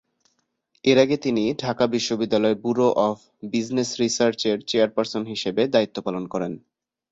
এর আগে তিনি ঢাকা বিশ্ববিদ্যালয়ের ব্যুরো অব বিজনেস রিসার্চের চেয়ারপারসন হিসেবে দায়িত্ব পালন করেন।